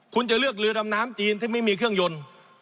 คุณจะเลือกเรือดำน้ำจีนที่ไม่มีเครื่องยนต์